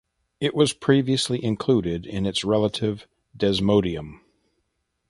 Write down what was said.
It was previously included in its relative "Desmodium".